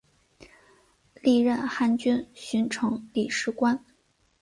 历任汉军巡城理事官。